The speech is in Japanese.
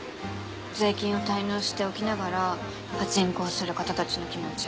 税金を滞納しておきながらパチンコをする方たちの気持ち。